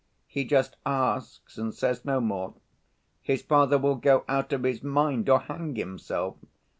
He just asks and says no more. His father will go out of his mind or hang himself.